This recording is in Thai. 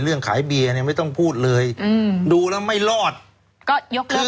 ขายเบียร์เนี่ยไม่ต้องพูดเลยอืมดูแล้วไม่รอดก็ยกเลิก